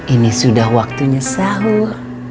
ini sudah waktunya shawur